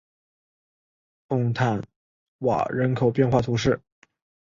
孔坦瓦人口变化图示